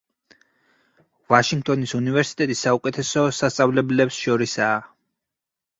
ვაშინგტონის უნივერსიტეტი საუკეთესო სასწავლებლებს შორისაა.